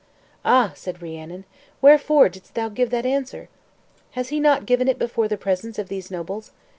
"Ah!" said Rhiannon, "wherefore didst thou give that answer?" "Has he not given it before the presence of these nobles?"